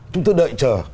chúng tôi đợi chờ